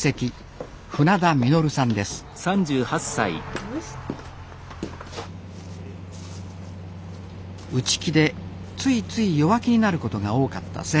内気でついつい弱気になることが多かった誠心くん。